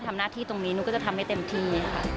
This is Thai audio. ทำหน้าที่ตรงนี้นุ่นก็จะทำให้เต็มที